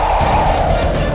aku akan menikah denganmu